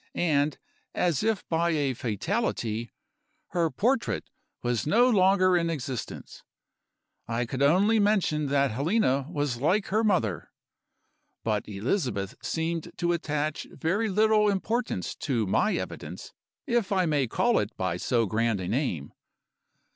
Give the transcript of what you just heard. And, as if by a fatality, her portrait was no longer in existence. I could only mention that Helena was like her mother. But Elizabeth seemed to attach very little importance to my evidence, if I may call it by so grand a name.